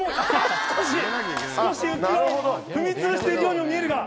少し浮輪を踏みつぶしているようにも見えるが。